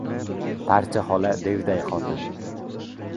Parcha xola - devday xotin.